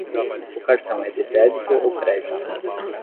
O cartão é de débito ou crédito?